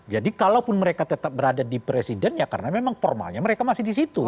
jadi kalaupun mereka tetap berada di presiden ya karena memang formalnya mereka masih di situ